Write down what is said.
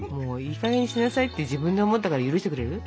いいかげんにしなさいって自分で思ったから許してくれる？